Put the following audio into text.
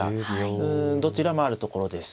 うんどちらもあるところです。